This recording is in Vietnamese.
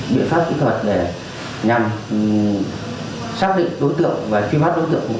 biện pháp kỹ thuật để nhằm xác định đối tượng và truy bắt đối tượng một cách nhanh nhất